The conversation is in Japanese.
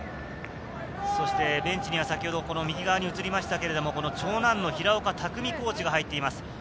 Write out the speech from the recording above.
ベンチには先ほど右側に映りましたが、長男の平岡拓己コーチが入っています。